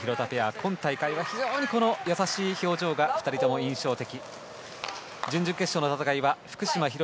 今大会は優しい表情が２人とも印象的。